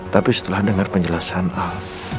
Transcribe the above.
tapi setelah dengar penjelasan al